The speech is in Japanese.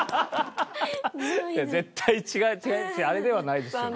絶対違う違う違うあれではないですよね。